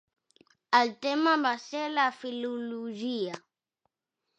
El tema va ser la filologia.